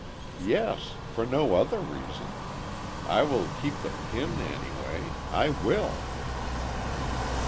"Yes; for no other reason! I will keep the pin, anyway—I will!"